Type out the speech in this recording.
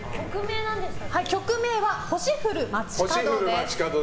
曲名は「星降る街角」です。